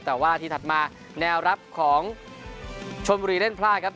แต่ว่าทีถัดมาแนวรับของชนบุรีเล่นพลาดครับ